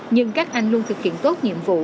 nhưng các anh luôn thực hiện tốt nhiệm vụ